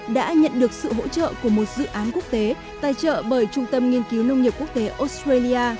đã nhận được sự hỗ trợ của một dự án quốc tế tài trợ bởi trung tâm nghiên cứu nông nghiệp quốc tế australia